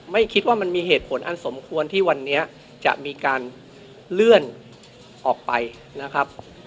ไม่คิดว่ามันมีเหตุผลอันสมควรที่วันนี้จะมีการเลื่อนออกไปนะครับ